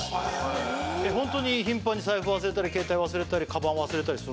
ホントに頻繁に財布忘れたり携帯忘れたりかばん忘れたりするんですか？